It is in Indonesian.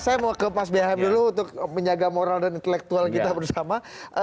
saya mau ke mas behan dulu untuk menjaga moral dan intelektual kita bersama